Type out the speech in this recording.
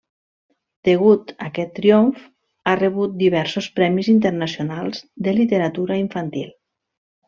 Degut aquest triomf ha rebut diversos premis internacionals de literatura infantil.